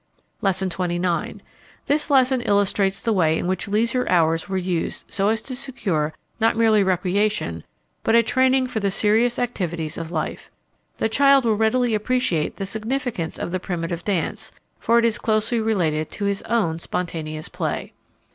Lesson XXIX. This lesson illustrates the way in which leisure hours were used so as to secure not merely recreation, but a training for the Serious activities of life. The child will readily appreciate the significance of the primitive dance, for it is closely related to his own spontaneous play.